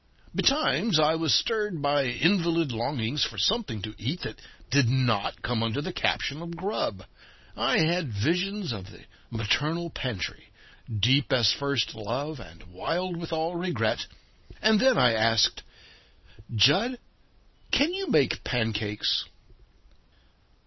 Betimes I was stirred by invalid longings for something to eat that did not come under the caption of "grub." I had visions of the maternal pantry "deep as first love, and wild with all regret," and then I asked: "Jud, can you make pancakes?"